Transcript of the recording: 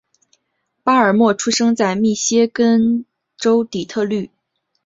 巴尔默出生在密歇根州底特律。